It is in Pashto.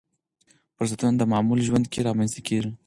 فرصتونه د معمول ژوند کې رامنځته کېږي.